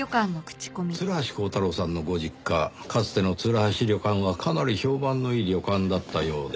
鶴橋光太郎さんのご実家かつての鶴橋旅館はかなり評判のいい旅館だったようですねぇ。